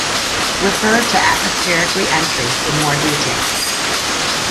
Refer to atmospheric reentry for more details.